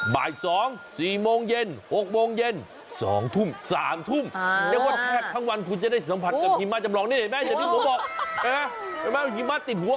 บ่ายสองสี่โมงเย็นหกโมงเย็นสองพร้อมสามพร้อม